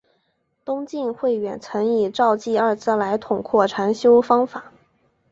东晋慧远曾以照寂二字来统括禅修方法。